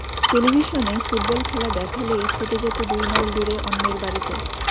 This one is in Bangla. টেলিভিশনে ফুটবল খেলা দেখালেই ছুটে যেত দুই মাইল দূরে অন্যের বাড়িতে।